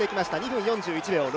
２分４１秒。